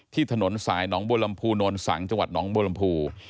ที่ถนนสายน้องบลำพูนลสั่งจังหวัดน้องบลำพู